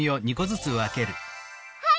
はい！